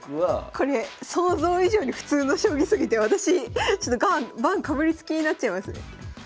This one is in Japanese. これ想像以上に普通の将棋すぎて私ちょっと盤かぶりつきになっちゃいますね。